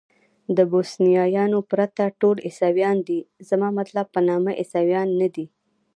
د بوسنیایانو پرته ټول عیسویان دي، زما مطلب په نامه عیسویان نه دي.